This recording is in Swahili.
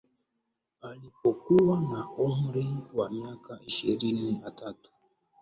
Alipo kuwa na umri wa miaka ishirini na tatu